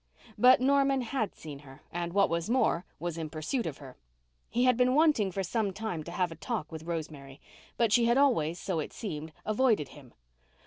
But Norman had seen her and, what was more, was in pursuit of her. He had been wanting for some time to have talk with Rosemary, but she had always, so it seemed, avoided him.